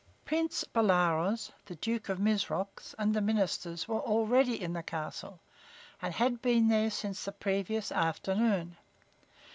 Prince Bolaroz, the Duke of Mizrox and the ministers were already in the castle and had been there since the previous afternoon.